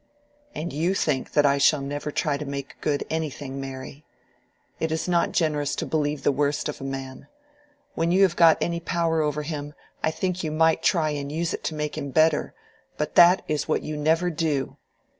"And you think that I shall never try to make good anything, Mary. It is not generous to believe the worst of a man. When you have got any power over him, I think you might try and use it to make him better; but that is what you never do.